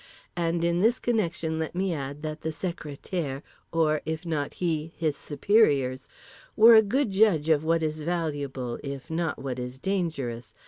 And in this connection let me add that the sécrétaire or (if not he) his superiors, were a good judge of what is valuable—if not what is dangerous.